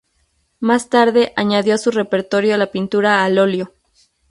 Más tarde añadió a su repertorio la pintura al óleo.